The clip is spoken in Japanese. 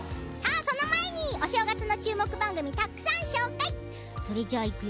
その前に、お正月の注目番組たくさん紹介するよ！